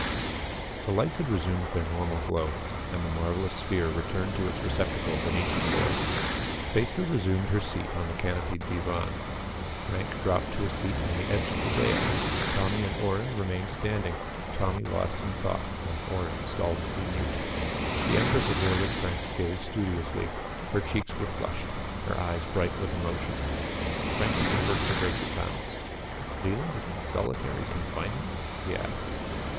The lights had resumed their normal glow, and the marvelous sphere returned to its receptacle beneath the floor. Phaestra resumed her seat on the canopied divan. Frank dropped to a seat on the edge of the dais. Tommy and Orrin remained standing, Tommy lost in thought and Orrin stolidly mute. The empress avoided Frank's gaze studiously. Her cheeks were flushed; her eyes bright with emotion. Frank was first to break the silence. "Leland is in solitary confinement?" he asked.